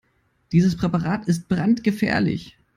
Dieses Präparat ist brandgefährlich.